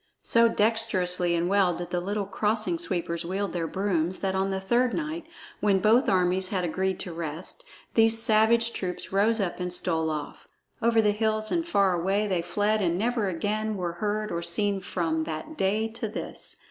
So dextrously and well did the little Crossing Sweepers wield their brooms that on the third night, when both armies had agreed to rest, these savage troops rose up and stole off. Over the hills and far away they fled and never again were heard or seen from that day to this.